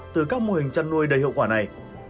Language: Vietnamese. từ các mô hình chăn nuôi đầy hiệu quả này